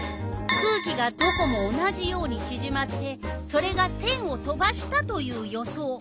空気がどこも同じようにちぢまってそれがせんを飛ばしたという予想。